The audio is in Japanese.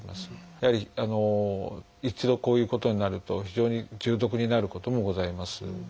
やはり一度こういうことになると非常に重篤になることもございます。